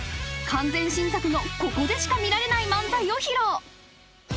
［完全新作のここでしか見られない漫才を披露］